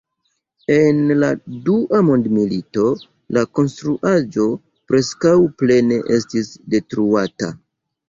En la Dua Mondmilito la konstruaĵo preskaŭ plene estis detruata.